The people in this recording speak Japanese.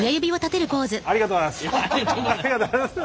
ありがとうございます！